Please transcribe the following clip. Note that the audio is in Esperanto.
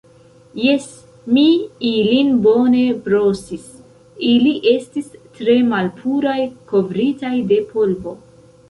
Jes, mi ilin bone brosis; ili estis tre malpuraj kovritaj de polvo.